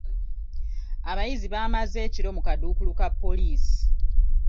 Abayizi baamaze ekiro mu kaduukulu ka poliisi.